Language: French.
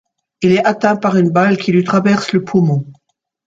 Il est atteint par une balle qui lui traverse le poumon.